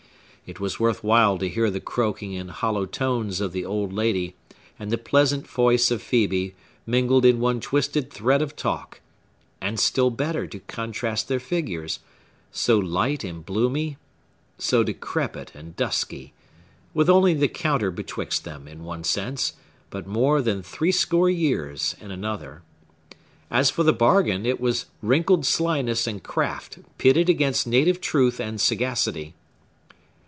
It was worth while to hear the croaking and hollow tones of the old lady, and the pleasant voice of Phœbe, mingling in one twisted thread of talk; and still better to contrast their figures,—so light and bloomy,—so decrepit and dusky,—with only the counter betwixt them, in one sense, but more than threescore years, in another. As for the bargain, it was wrinkled slyness and craft pitted against native truth and sagacity.